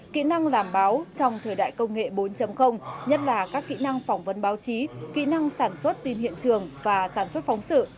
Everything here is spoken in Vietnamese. kỹ năng làm báo trong thời đại công nghệ bốn nhất là các kỹ năng phỏng vấn báo chí kỹ năng sản xuất tin hiện trường và sản xuất phóng sự